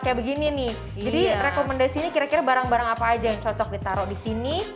kayak begini nih jadi rekomendasi ini kira kira barang barang apa aja yang cocok ditaruh di sini